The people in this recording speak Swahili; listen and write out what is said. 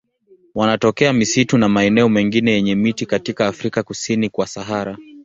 Wanatokea misitu na maeneo mengine yenye miti katika Afrika kusini kwa Sahara.